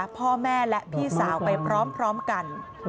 พ่อแม่และพี่สาวไปพร้อมกัน